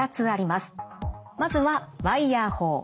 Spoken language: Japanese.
まずはワイヤー法。